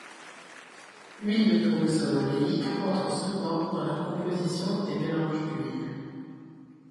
L'huile de tournesol oléique entre souvent dans la composition des mélanges d'huile.